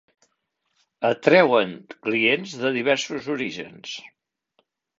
Atreuen clients de diversos orígens.